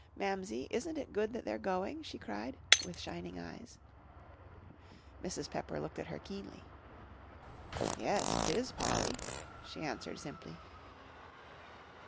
Mamsie, isn't it good that they're going?" she cried, with shining eyes. Mrs. Pepper looked at her keenly. "Yes, 'tis, Polly," she answered simply.